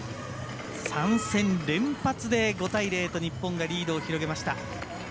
３戦連発で５対０と日本がリードを広げました。